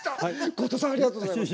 後藤さんありがとうございます。